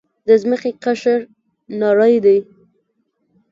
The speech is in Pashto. د ځمکې قشر نری دی.